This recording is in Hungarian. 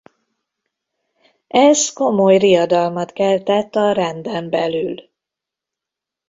Ez komoly riadalmat keltett a renden belül.